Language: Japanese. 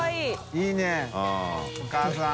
いいねお母さん。